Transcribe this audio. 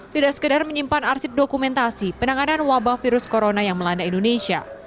tidak sekedar menyimpan arsip dokumentasi penanganan wabah virus corona yang melanda indonesia